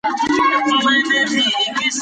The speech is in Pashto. ټولنیز واقعیت د وګړو له تعامل څخه منځ ته راځي.